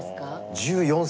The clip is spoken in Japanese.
１４歳！